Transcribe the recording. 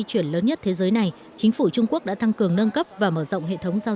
chuyển lớn nhất thế giới này chính phủ trung quốc đã thăng cường nâng cấp và mở rộng hệ thống giao